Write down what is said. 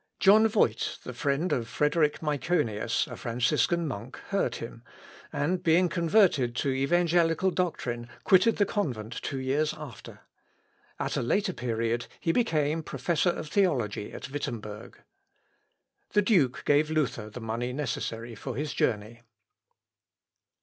John Voit, the friend of Frederick Myconius, a Franciscan monk, heard him, and being converted to evangelical doctrine, quitted the convent two years after. At a later period, he became professor of theology at Wittemberg. The duke gave Luther the money necessary for his journey.